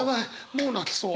もう泣きそう。